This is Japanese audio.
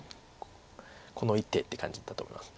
この一手って感じだと思います。